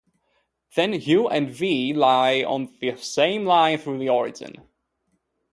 Then "u" and "v" lie on the same line through the origin.